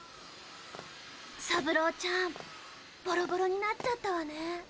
サブローちゃんボロボロになっちゃったわね。